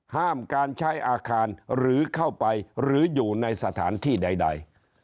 ห้ามการใช้อาคารหรือเข้าไปหรืออยู่ในสถานที่ใด